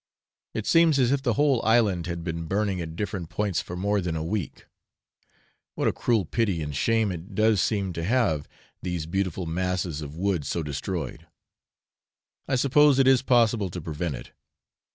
It seems as if the whole island had been burning at different points for more than a week. What a cruel pity and shame it does seem to have these beautiful masses of wood so destroyed! I suppose it is impossible to prevent it.